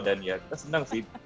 dan ya kita senang sih